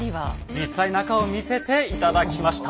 実際中を見せて頂きました。